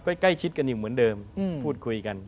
ใกล้ชิดกันอยู่เหมือนเดิมพูดคุยกัน